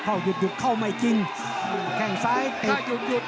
ตามต่อยกที่๓ครับ